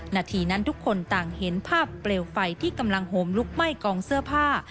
นาทีนั้นทุกคนต่างเห็นภาพเปลวไฟที่กำลังโหมลุกไหม้กองเสื้อผ้า